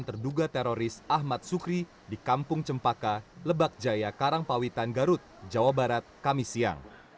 terduga teroris ahmad sukri di kampung cempaka lebak jaya karangpawitan garut jawa barat kami siang